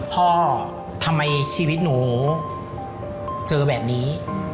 พ่อทำไมชีวิตหนูเจอแบบนี้